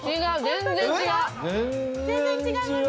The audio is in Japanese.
全然違う！